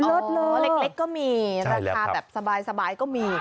เลิศโลเล็กก็มีราคาแบบสบายก็มี